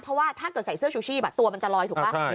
เพราะว่าถ้าเกิดใส่เสื้อชูชีพตัวมันจะลอยถูกป่ะ